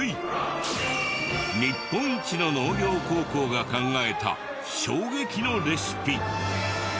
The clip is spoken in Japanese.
日本一の農業高校が考えた衝撃のレシピ。